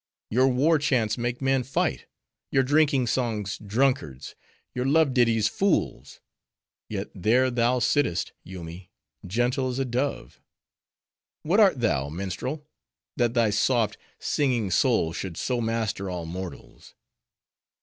Your war chants make men fight; your drinking songs, drunkards; your love ditties, fools. Yet there thou sittest, Yoomy, gentle as a dove.—What art thou, minstrel, that thy soft, singing soul should so master all mortals?